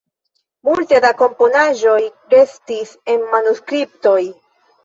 Multe da komponaĵoj restis en manuskriptoj.